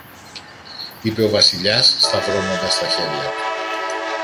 είπε ο Βασιλιάς σταυρώνοντας τα χέρια του